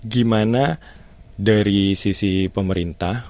gimana dari sisi pemerintah